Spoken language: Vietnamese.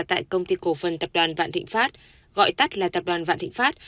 tại công ty cổ phần tập đoàn phạn thịnh pháp gọi tắt là tập đoàn phạn thịnh pháp